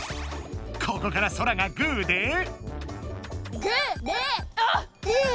ここからソラが「グー」で？